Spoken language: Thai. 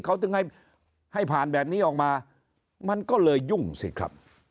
เขาถึงให้ผ่านแบบนี้ออกมามันก็เลยยุ่งสิครับ